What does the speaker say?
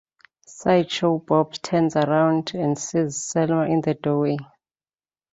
Sideshow Bob turns around and sees Selma in the doorway.